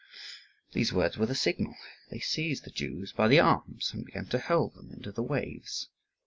These words were the signal. They seized the Jews by the arms and began to hurl them into the waves.